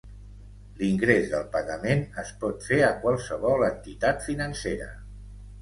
L'ingrés del pagament es pot fer a qualsevol entitat financera.